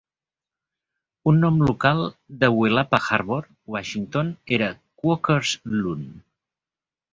Un nom local de Willapa Harbor, Washington, era "Quaker loon".